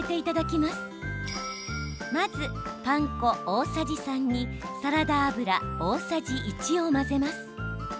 まず、パン粉大さじ３にサラダ油大さじ１を混ぜます。